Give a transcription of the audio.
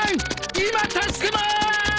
今助けます！